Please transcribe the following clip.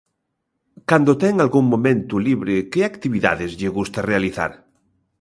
Cando ten algún momento libre, que actividades lle gusta realizar?